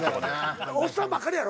おっさんばっかりやろ？